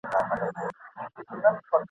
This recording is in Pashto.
د نارینه د ښکلا خوند پالل دي